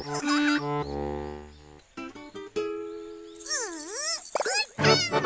ううーたん！